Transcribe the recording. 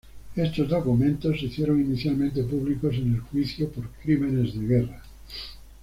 Estos documentos se hicieron inicialmente públicos en el juicio por crímenes de guerra.